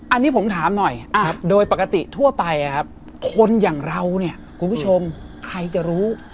อันนี้ผมถามหน่อยโดยปกติทั่วไปคนอย่างเราเนี่ยคุณผู้ชมใครจะรู้